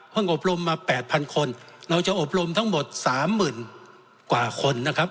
อบรมมา๘๐๐คนเราจะอบรมทั้งหมด๓๐๐๐กว่าคนนะครับ